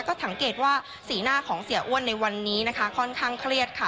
ก็สังเกตว่าสีหน้าของเสียอ้วนในวันนี้นะคะค่อนข้างเครียดค่ะ